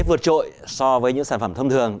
vượt trội so với những sản phẩm thông thường